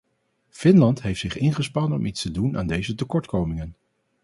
Finland heeft zich ingespannen om iets te doen aan deze tekortkomingen.